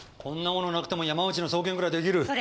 こんなものなくても山内の送検ぐらい出来る。